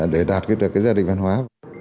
để đạt được gia đình văn hóa